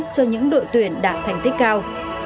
cho những đội tuyển đạt thành tích cao